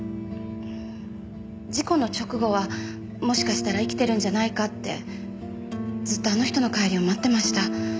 事故の直後はもしかしたら生きてるんじゃないかってずっとあの人の帰りを待ってました。